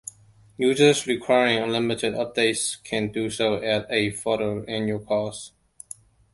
Users requiring unlimited updates can do so at a further annual cost.